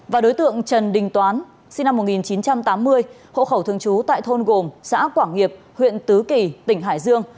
và đối tượng trần đình toán sinh năm một nghìn chín trăm tám mươi hộ khẩu thường trú tại thôn gồm xã quảng nghiệp huyện tứ kỳ tỉnh hải dương